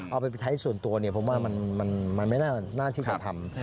เอาไปประทับส่วนตัวผมว่ามันน่าที่จะทำ